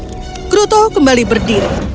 akruto kembali berdiri